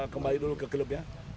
kembali dulu ke klub ya